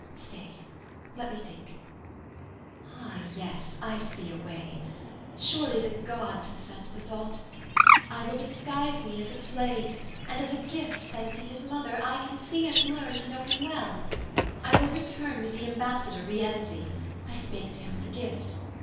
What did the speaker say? Stay! let me think. Ah, yes; I see a way. Surely the gods have sent the thought! I will disguise me as a slave, and as a gift sent to his mother, I can see and learn to know him well. I will return with the ambassador, Rienzi. I spake to him of a gift.